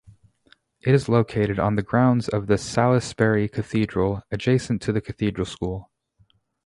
It is located on the grounds of Salisbury Cathedral, adjacent to the Cathedral School.